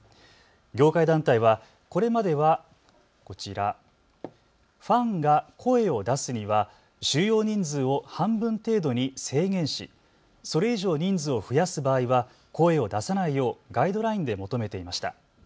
業界団体はこれまではこちら、ファンが声を出すには収容人数を半分程度に制限し、それ以上人数を増やす場合は声を出さないようガイドラインで求めていました。